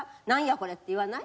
これ」って言わない？